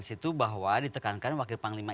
situ bahwa ditekankan wakil panglima